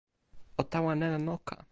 o tawa nena noka!